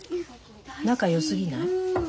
仲よすぎない？